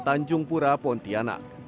danjung pura pontianak